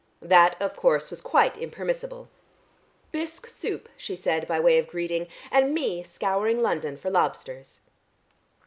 That, of course, was quite impermissible. "Bisque soup," she said by way of greeting. "And me scouring London for lobsters."